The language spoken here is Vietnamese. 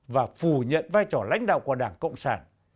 và phủ nhận vai trò lãnh đạo của đảng cộng sản